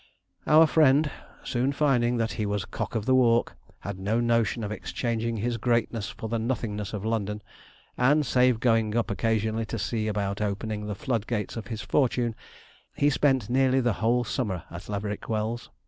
Our friend, soon finding that he was 'cock of the walk,' had no notion of exchanging his greatness for the nothingness of London, and, save going up occasionally to see about opening the flood gates of his fortune, he spent nearly the whole summer at Laverick Wells.